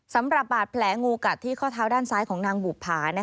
สำหรับบาดแผลงูกัดที่ข้อเท้าด้านซ้ายของนางบุภา